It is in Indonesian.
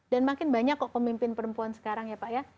dan makin banyak kok pemimpin perempuan sekarang ya pak ya